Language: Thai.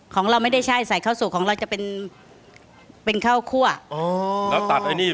ของเราไม่ได้ใช่ใส่ข้าวสุกของเราจะเป็นเป็นข้าวคั่วอ๋อแล้วตัดไอ้นี่